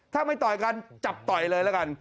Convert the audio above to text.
ถ้าไม่ต่อยกันจับต่อยเลยละกัน